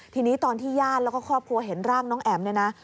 ทีนี้ตอนที่ญาติแล้วก็ครอบครัวเห็นร่างน้องแอ๋มเนี่ยนะ